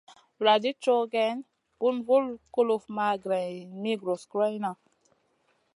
Vuladid cow geyn, bun vul kuluf ma greyn mi gros goroyna.